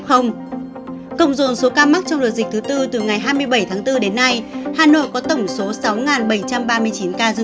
công dồn số ca mắc trong đợt dịch thứ tư từ ngày hai mươi bảy tháng bốn đến nay hà nội có tổng số sáu bảy trăm ba mươi chín ca dương tính